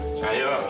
tidak tidak apa apa